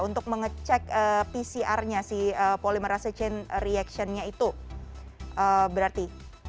untuk mengecek pcr nya si polymerase chain reaction nya itu berarti